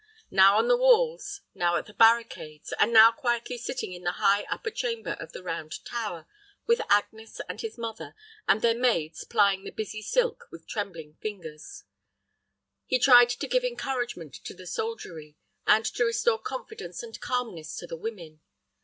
Now on the walls, now at the barricades, and now quietly sitting in the high upper chamber of the round tower, with Agnes, and his mother, and their maids plying the busy silk with trembling fingers, he tried to give encouragement to the soldiery, and to restore confidence and calmness to the women.